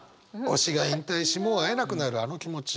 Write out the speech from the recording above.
推しが引退しもう会えなくなるあの気持ち。